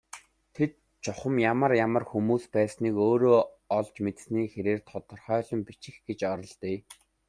Тэд чухам ямар ямар хүмүүс байсныг өөрийн олж мэдсэний хэрээр тодорхойлон бичих гэж оролдъё.